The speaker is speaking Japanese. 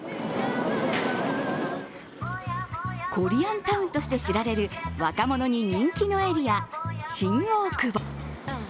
コリアンタウンとして知られる、若者に人気のエリア、新大久保。